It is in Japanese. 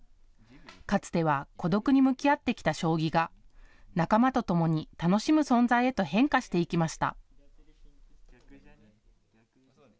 かつては孤独に向き合ってきた将棋が仲間とともに楽しむ存在へと変化していきました。